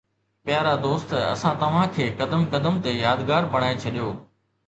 پيارا دوست، اسان توهان کي قدم قدم تي يادگار بڻائي ڇڏيو